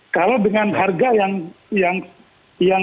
kalau dengan harga yang